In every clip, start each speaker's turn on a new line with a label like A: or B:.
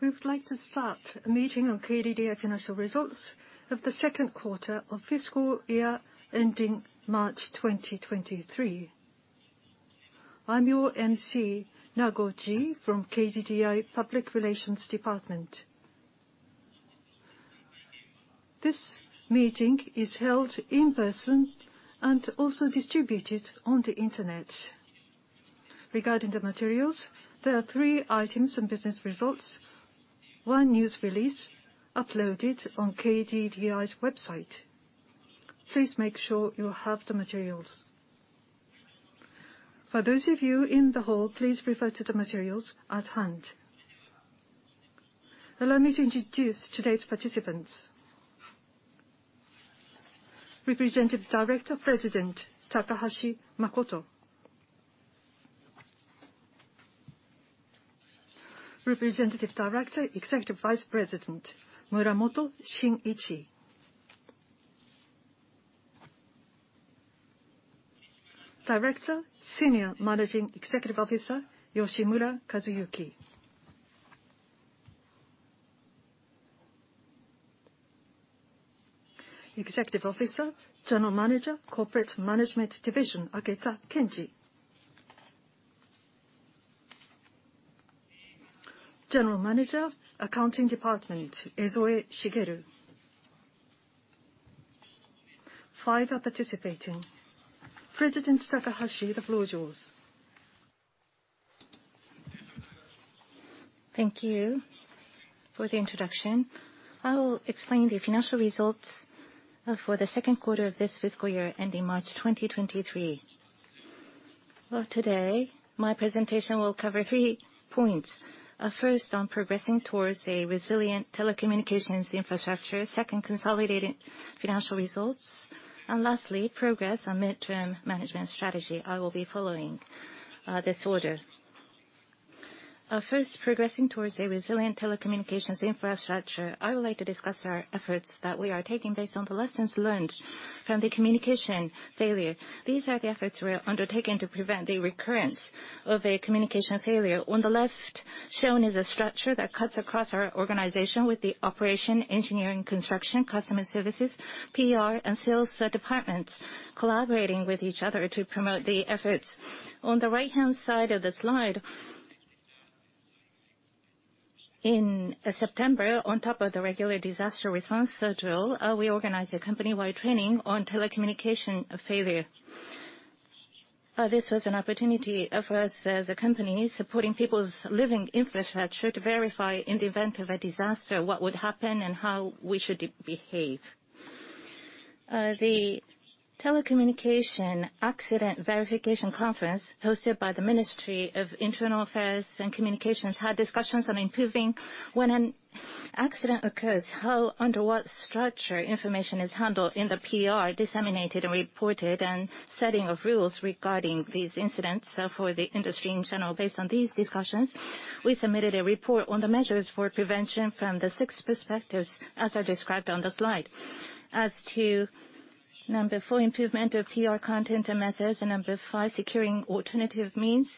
A: We would like to start a meeting on KDDI financial results of the second quarter of fiscal year ending March 2023. I'm your emcee, Noguchi, from KDDI Public Relations Department. This meeting is held in person and also distributed on the internet. Regarding the materials, there are three items and business results, one news release uploaded on KDDI's website. Please make sure you have the materials. For those of you in the hall, please refer to the materials at hand. Allow me to introduce today's participants. Representative Director President Makoto Takahashi. Representative Director Executive Vice President Shinichi Muramoto. Director Senior Managing Executive Officer Kazuyuki Yoshimura. Executive Officer General Manager Corporate Management Division Kenji Aketa. General Manager Accounting Department Ezoe Shigeru. Five are participating. President Takahashi, the floor is yours.
B: Thank you for the introduction. I will explain the financial results for the second quarter of this fiscal year ending March 2023. Today, my presentation will cover three points. First on progressing towards a resilient telecommunications infrastructure. Second, consolidating financial results. Lastly, progress on midterm management strategy. I will be following this order. First, progressing towards a resilient telecommunications infrastructure. I would like to discuss our efforts that we are taking based on the lessons learned from the communication failure. These are the efforts we are undertaking to prevent a recurrence of a communication failure. On the left, shown is a structure that cuts across our organization with the operation, engineering, construction, customer services, PR, and sales departments collaborating with each other to promote the efforts. On the right-hand side of the slide, in September, on top of the regular disaster response drill, we organized a company-wide training on telecommunication failure. This was an opportunity for us as a company supporting people's living infrastructure to verify in the event of a disaster what would happen and how we should behave. The Telecommunications Accident Verification Conference, hosted by the Ministry of Internal Affairs and Communications, had discussions on improving when an accident occurs, how, under what structure information is handled in the PR, disseminated and reported, and setting of rules regarding these incidents, for the industry in general. Based on these discussions, we submitted a report on the measures for prevention from the six perspectives, as are described on the slide. As to number four, improvement of PR content and methods, and number five, securing alternative means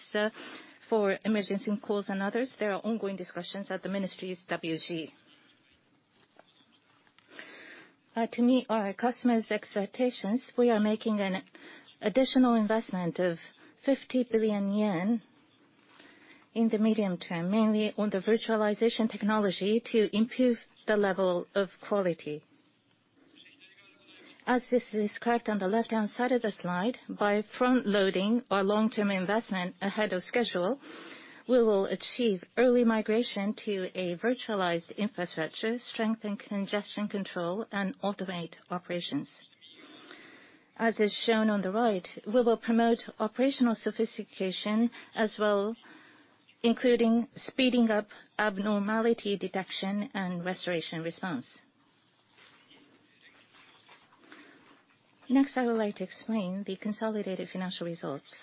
B: for emergency calls and others, there are ongoing discussions at the ministry's WG. To meet our customers' expectations, we are making an additional investment of 50 billion yen in the medium term, mainly on the virtualization technology to improve the level of quality. As is described on the left-hand side of the slide, by front-loading our long-term investment ahead of schedule, we will achieve early migration to a virtualized infrastructure, strengthen congestion control, and automate operations. As is shown on the right, we will promote operational sophistication as well, including speeding up abnormality detection and restoration response. Next, I would like to explain the consolidated financial results.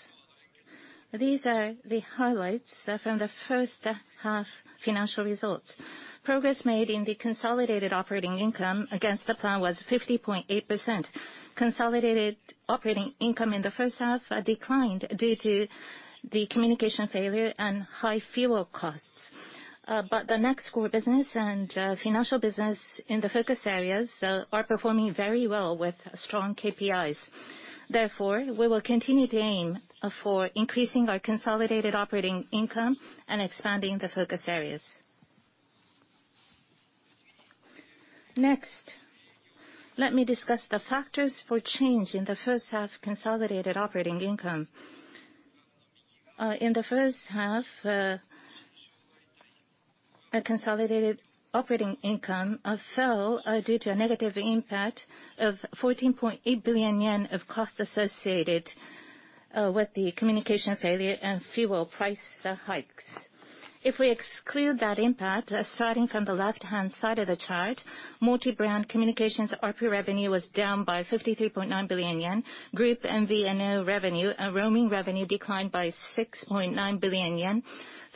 B: These are the highlights from the first half financial results. Progress made in the consolidated operating income against the plan was 50.8%. Consolidated operating income in the first half declined due to the communication failure and high fuel costs. The NEXT Core business and financial business in the focus areas are performing very well with strong KPIs. Therefore, we will continue to aim for increasing our consolidated operating income and expanding the focus areas. Next, let me discuss the factors for change in the first half consolidated operating income. In the first half, our consolidated operating income fell due to a negative impact of 14.8 billion yen of cost associated with the communication failure and fuel price hikes. If we exclude that impact, starting from the left-hand side of the chart, multi-brand communications ARPU revenue was down by 53.9 billion yen. Group MVNO revenue, roaming revenue declined by 6.9 billion yen.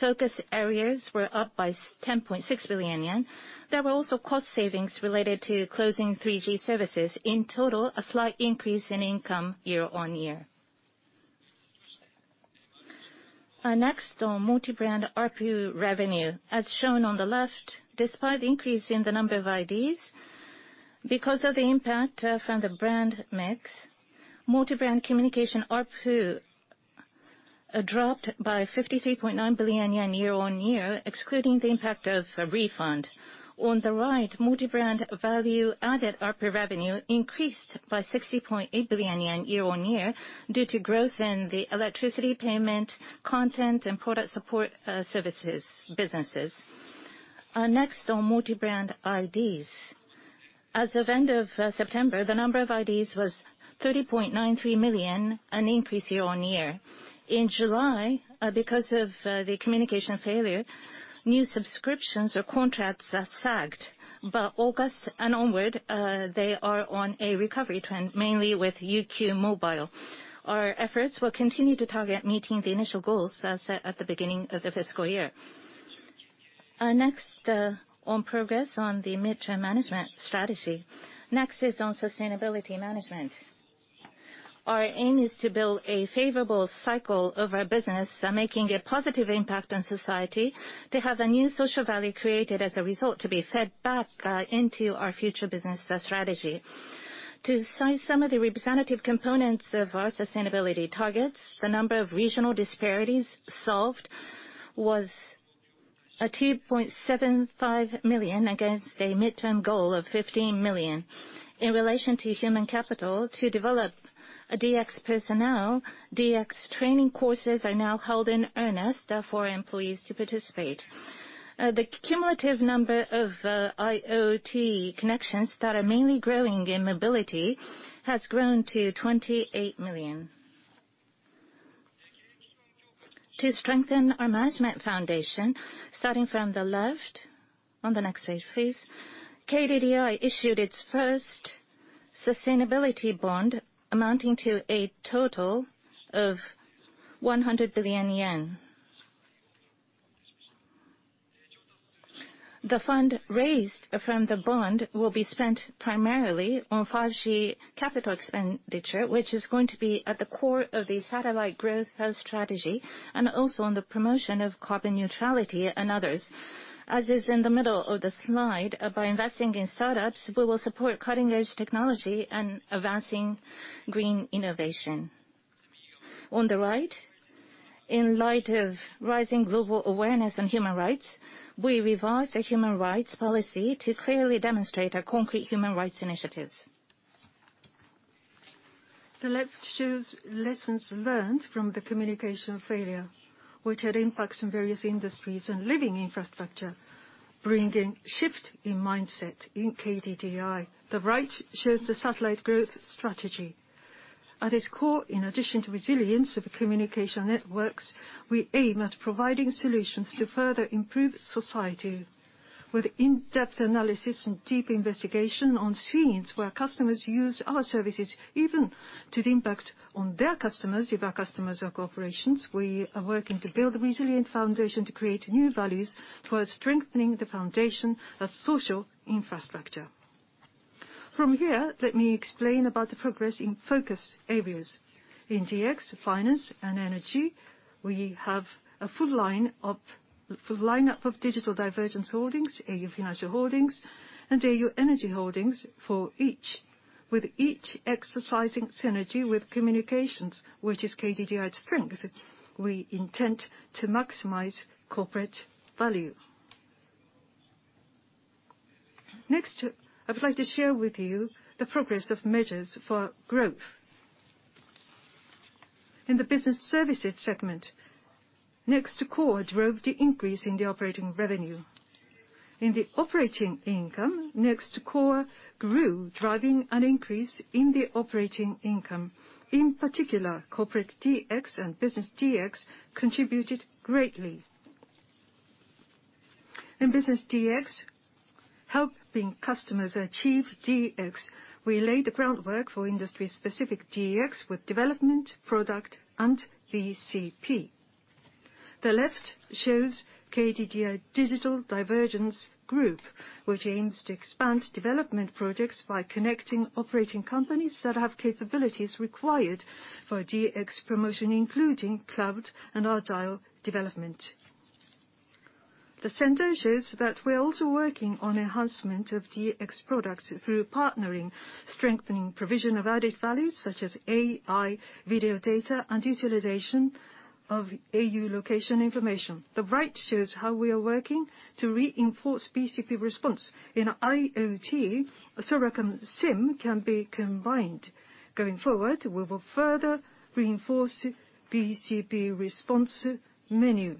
B: Focus areas were up by 10.6 billion yen. There were also cost savings related to closing 3G services. In total, a slight increase in income year-on-year. Next on multi-brand ARPU revenue. As shown on the left, despite increase in the number of IDs, because of the impact from the brand mix, multi-brand communication ARPU dropped by 53.9 billion yen year-on-year, excluding the impact of a refund. On the right, multi-brand value added ARPU revenue increased by 60.8 billion yen year-on-year due to growth in the electricity payment, content and product support services businesses. Next on multi-brand IDs. As of end of September, the number of IDs was 30.93 million, an increase year-on-year. In July, because of the communication failure, new subscriptions or contracts sagged. August and onward, they are on a recovery trend, mainly with UQ mobile. Our efforts will continue to target meeting the initial goals set at the beginning of the fiscal year. Next, on progress on the mid-term management strategy. Next is on sustainability management. Our aim is to build a favorable cycle of our business, making a positive impact on society to have a new social value created as a result to be fed back into our future business strategy. To cite some of the representative components of our sustainability targets, the number of regional disparities solved was 2.75 million against a mid-term goal of 15 million. In relation to human capital, to develop a DX personnel, DX training courses are now held in earnest for employees to participate. The cumulative number of IoT connections that are mainly growing in mobility has grown to 28 million. To strengthen our management foundation, starting from the left on the next phase, KDDI issued its first sustainability bond amounting to a total of 100 billion yen. The fund raised from the bond will be spent primarily on 5G capital expenditure, which is going to be at the core of the Satellite Growth Strategy, and also on the promotion of carbon neutrality and others. As is in the middle of the slide, by investing in startups, we will support cutting-edge technology and advancing green innovation. On the right, in light of rising global awareness on human rights, we revised a human rights policy to clearly demonstrate our concrete human rights initiatives. The left shows lessons learned from the communication failure, which had impacts in various industries and living infrastructure, bringing shift in mindset in KDDI. The right shows the Satellite Growth Strategy. At its core, in addition to resilience of the communication networks, we aim at providing solutions to further improve society with in-depth analysis and deep investigation on scenes where customers use our services, even to the impact on their customers if our customers are corporations. We are working to build a resilient foundation to create new values towards strengthening the foundation of social infrastructure. From here, let me explain about the progress in focus areas. In DX, finance and energy, we have a full lineup of KDDI Digital Divergence Holdings, au Financial Holdings and au Energy Holdings for each, with each exercising synergy with communications, which is KDDI's strength. We intend to maximize corporate value. Next, I'd like to share with you the progress of measures for growth. In the business services segment, NEXT Core drove the increase in the operating revenue. In the operating income, NEXT Core grew, driving an increase in the operating income. In particular, Corporate DX and Business DX contributed greatly. In Business DX, helping customers achieve DX, we laid the groundwork for industry-specific DX with development, product and BCP. The left shows KDDI Digital Divergence Group, which aims to expand development projects by connecting operating companies that have capabilities required for DX promotion, including cloud and agile development. The center shows that we're also working on enhancement of DX products through partnering, strengthening provision of added value, such as AI video data and utilization of au location information. The right shows how we are working to reinforce BCP response. In IoT, SORACOM SIM can be combined. Going forward, we will further reinforce BCP response menu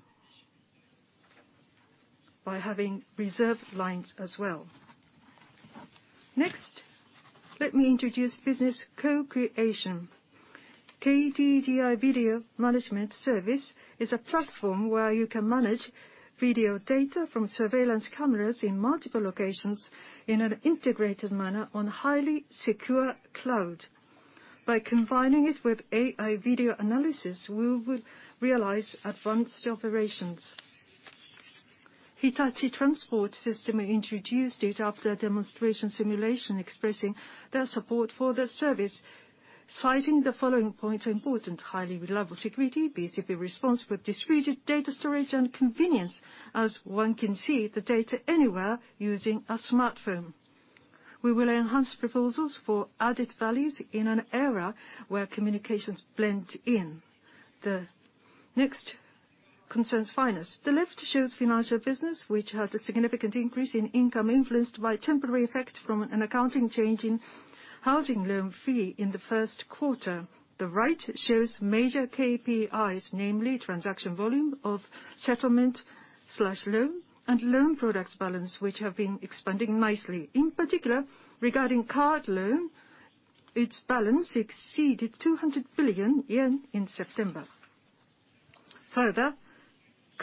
B: by having reserve lines as well. Next, let me introduce Business Co-Creation. KDDI Video Management Service is a platform where you can manage video data from surveillance cameras in multiple locations in an integrated manner on highly secure cloud. By combining it with AI video analysis, we will realize advanced operations. Hitachi Transport System introduced it after demonstration simulation expressing their support for the service, citing the following as important points, highly reliable security, BCP response with distributed data storage, and convenience, as one can see the data anywhere using a smartphone. We will enhance proposals for added values in an era where communications blend in. The next concerns finance. The left shows financial business, which had a significant increase in income influenced by temporary effect from an accounting change in housing loan fee in the first quarter. The right shows major KPIs, namely transaction volume of settlement/loan and loan products balance, which have been expanding nicely. In particular, regarding card loan, its balance exceeded 200 billion yen in September. Further,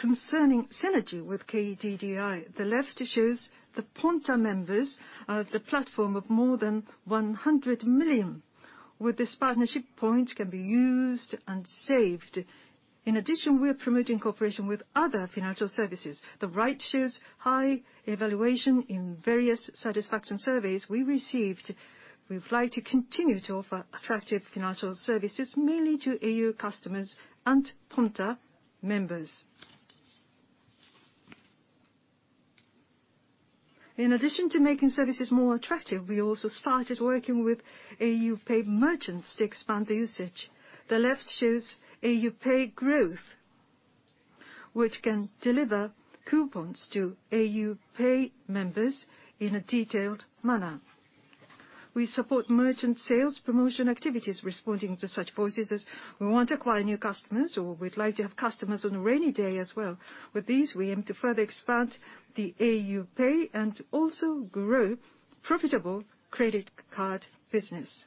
B: concerning synergy with KDDI, the left shows the Ponta members, the platform of more than 100 million. With this partnership, points can be used and saved. In addition, we are promoting cooperation with other financial services. The right shows high evaluation in various satisfaction surveys we received. We would like to continue to offer attractive financial services, mainly to au customers and Ponta members. In addition to making services more attractive, we also started working with au PAY merchants to expand the usage. The left shows au PAY growth, which can deliver coupons to au PAY members in a detailed manner. We support merchant sales promotion activities responding to such voices as, "We want to acquire new customers," or, "We'd like to have customers on a rainy day as well." With these, we aim to further expand the au PAY and also grow profitable credit card business.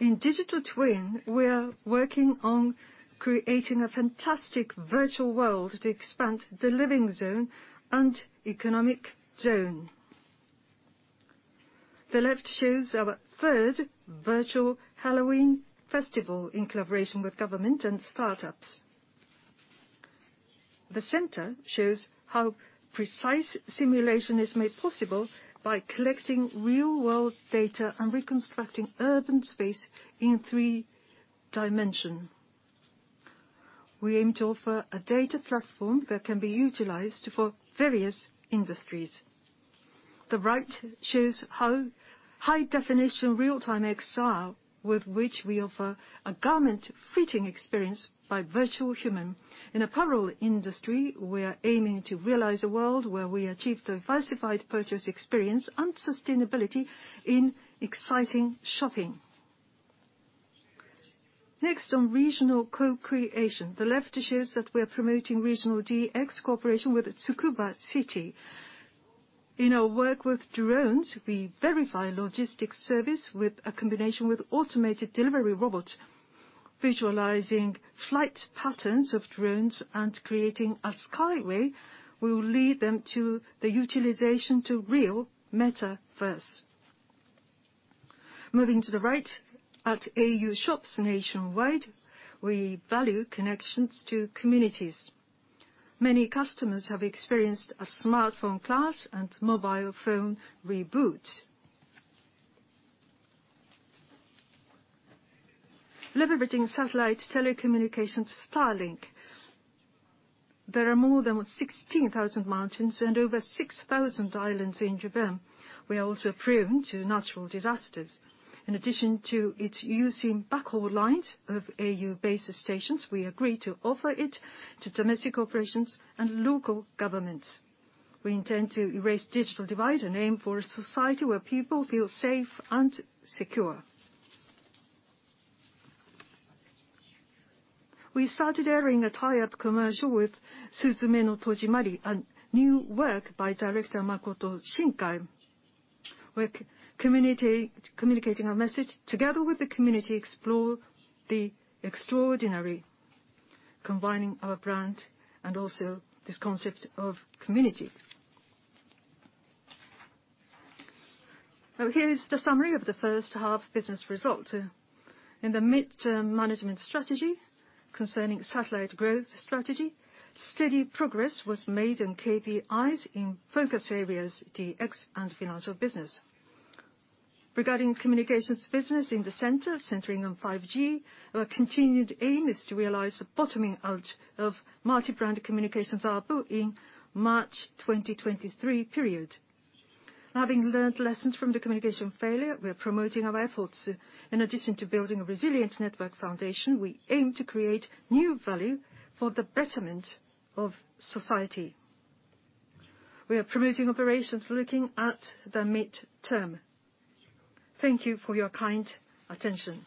B: In Digital Twin, we are working on creating a fantastic virtual world to expand the living zone and economic zone. The left shows our third Virtual Halloween festival in collaboration with government and startups. The center shows how precise simulation is made possible by collecting real-world data and reconstructing urban space in three dimensions. We aim to offer a data platform that can be utilized for various industries. The right shows how high-definition real-time XR, with which we offer a garment-fitting experience by virtual human. In the apparel industry, we are aiming to realize a world where we achieve diversified purchase experience and sustainability in exciting shopping. Next, on regional co-creation. The left shows that we are promoting regional DX cooperation with Tsukuba City. In our work with drones, we verify logistics service in combination with automated delivery robots. Visualizing flight patterns of drones and creating a skyway will lead to the utilization of real metaverse. Moving to the right, at au Shops nationwide, we value connections to communities. Many customers have experienced a smartphone class and mobile phone reboots. Leveraging satellite telecommunications Starlink, there are more than 16,000 mountains and over 6,000 islands in Japan. We are also prone to natural disasters. In addition to its use in backhaul lines of au base stations, we agree to offer it to domestic operations and local governments. We intend to erase digital divide and aim for a society where people feel safe and secure. We started airing a tie-up commercial with Suzume no Tojimari, a new work by director Makoto Shinkai. We're communicating our message, "Together with the community, explore the extraordinary," combining our brand and also this concept of community. Here is the summary of the first half business result. In the midterm management strategy, concerning Satellite Growth Strategy, steady progress was made in KPIs in focus areas DX and financial business. Regarding communications business in the center, centering on 5G, our continued aim is to realize the bottoming out of multi-brand communications ARPU in March 2023 period. Having learned lessons from the communication failure, we are promoting our efforts. In addition to building a resilient network foundation, we aim to create new value for the betterment of society. We are promoting operations looking at the midterm. Thank you for your kind attention.